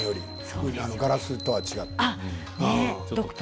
ガラスとは違って。